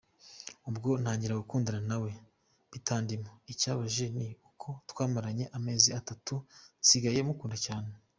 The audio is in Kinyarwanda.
Ubwo ntangira gukundana nawe bitandimo, ikibabaje ni uko twamaranye amezi atatu nsigaye mukunda cyane.